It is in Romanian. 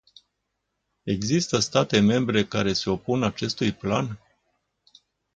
Există state membre care se opun acestui plan?